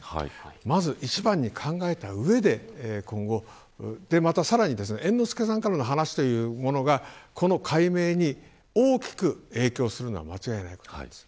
まず一番に考えた上でさらに猿之助さんからの話というものがこの解明に大きく影響するのは間違いないことです。